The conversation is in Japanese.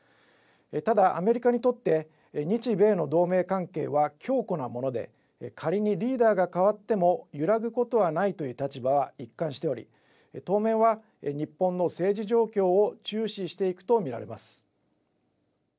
ただ、アメリカにとって日米の同盟関係は強固なもので、仮にリーダーが代わっても揺らぐことはないという立場は一貫しており、当面は日本の政治状況を注視していくと見られます。